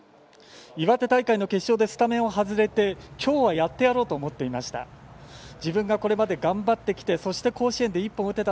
岩手大会の決勝でスタメンを外れてきょうはやってやろうと思っていました。